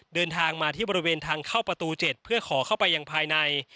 เดินทางมาที่บริเวณทางเข้าประตู๗เพื่อขอเข้าไปยังภายใน